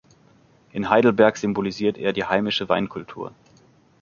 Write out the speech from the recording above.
In Heidelberg symbolisiert er die heimische Weinkultur.